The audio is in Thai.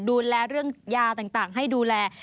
ดูแลเรื่องยาต่างให้ดูแล